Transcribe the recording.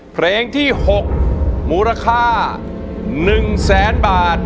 เพลงที่๖มูลค่า๑๐๐๐๐๐บาท